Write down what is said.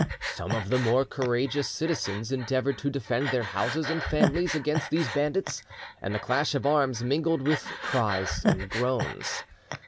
Some of the more courageous citizens endeavoured to defend their houses and families against these bandits, and the clash of arms mingled with cries and groans.